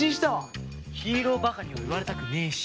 ヒーローバカには言われたくねえし！